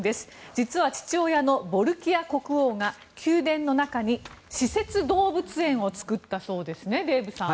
実は、父親のボルキア国王が宮殿の中に私設動物園を作ったそうですね。